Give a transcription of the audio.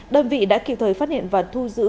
đơn vị đã kịp thời phát hiện và thu giữ